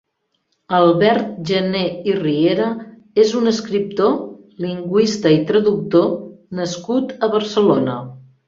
Albert Jané i Riera és un escriptor, lingüista i traductor nascut a Barcelona.